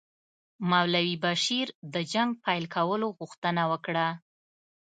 مولوي بشیر د جنګ پیل کولو غوښتنه وکړه.